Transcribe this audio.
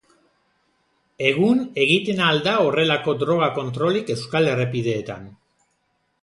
Egun egiten al da horrelako droga kontrolik euskal errepideetan.